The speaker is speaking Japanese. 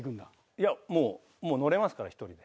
いやもう乗れますから１人で。